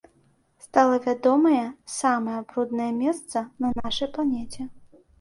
Стала вядомае самае бруднае месца на нашай планеце.